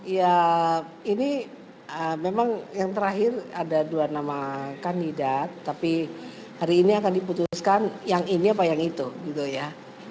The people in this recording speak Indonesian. ya ini memang yang terakhir ada dua nama kandidat tapi hari ini akan diputuskan yang ini apa yang itu gitu ya